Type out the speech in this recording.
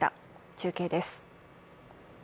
中継です。